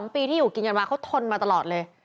ปีที่อยู่กินกันมาเขาทนมาตลอดเลย